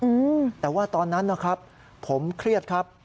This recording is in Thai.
อืมแต่ว่าตอนนั้นนะครับผมเครียดครับ